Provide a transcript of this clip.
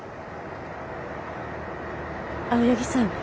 青柳さん